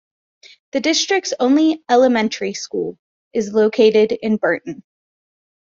The district's only elementary school is located in Burton.